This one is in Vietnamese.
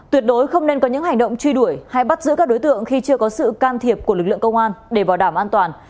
tuyệt đối không nên có những hành động truy đuổi hay bắt giữ các đối tượng khi chưa có sự can thiệp của lực lượng công an để bảo đảm an toàn